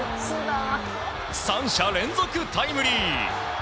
三者連続タイムリー。